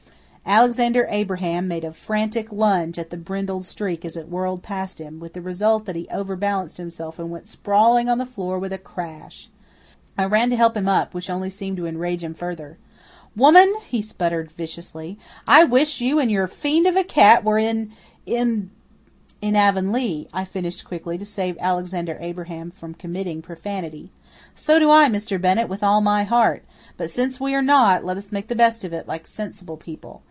Alexander Abraham made a frantic lunge at the brindled streak as it whirled past him, with the result that he overbalanced himself and went sprawling on the floor with a crash. I ran to help him up, which only seemed to enrage him further. "Woman," he spluttered viciously, "I wish you and your fiend of a cat were in in " "In Avonlea," I finished quickly, to save Alexander Abraham from committing profanity. "So do I, Mr. Bennett, with all my heart. But since we are not, let us make the best of it like sensible people.